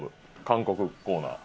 韓国コーナー。